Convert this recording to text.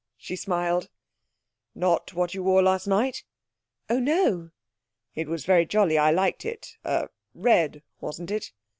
she smiled. 'Not what you wore last night?' 'Oh no.' 'It was very jolly. I liked it. Er red, wasn't it?'